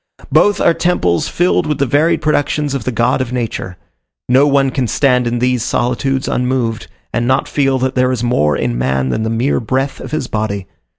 Both are temples filled with the varied productions of the God of Nature: no one can stand in these solitudes unmoved, and not feel that there is more in man than the mere breath of his body.